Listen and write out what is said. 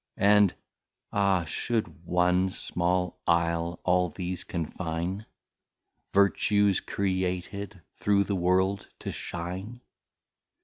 And ah should one Small Isle all these confine, Vertues created through the World to shine?